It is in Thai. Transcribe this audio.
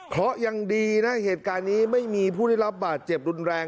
เพราะยังดีนะเหตุการณ์นี้ไม่มีผู้ได้รับบาดเจ็บรุนแรง